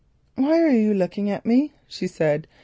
"Why are you looking at me?" she said.